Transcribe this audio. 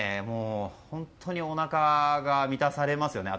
本当におなかが満たされますよね。